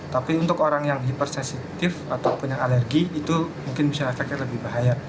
tapi untuk orang yang hiper sensitif atau punya alergi itu mungkin bisa efeknya lebih bahaya